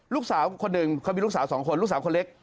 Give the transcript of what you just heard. ลูกสาวคนหนึ่งเขามีลูกสาวสองคนลูกสาวคนเล็ก